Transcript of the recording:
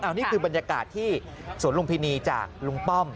อันนี้คือบรรยากาศที่สวนลุมพินีจากลุงป้อม